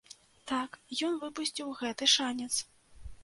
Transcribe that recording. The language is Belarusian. Так ён выпусціў гэты шанец.